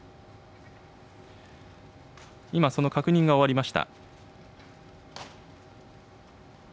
今その確認が終わりました。